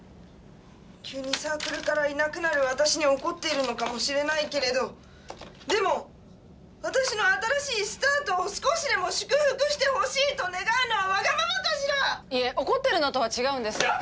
急にサークルからいなくなる私に怒っているのかもしれないけれどでも私の新しいスタートを少しでも祝福してほしいと願うのはわがままかしら⁉いえ怒ってるのとは違うんです。